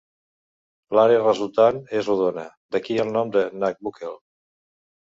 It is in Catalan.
L'àrea resultant és rodona, d'aquí el nom de Nagbukel.